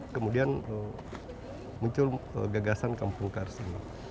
kemudian muncul gagasan kampung kars ini